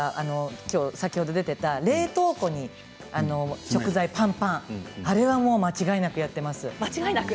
先ほど出ていた冷凍庫に食材ぱんぱんあれは間違いなくやっています。